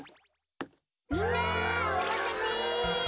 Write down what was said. みんなおまたせ！